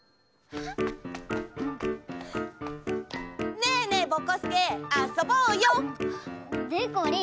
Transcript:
ねえねえぼこすけあそぼうよ！でこりん